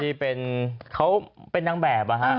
ที่เป็นเขาเป็นนางแบบ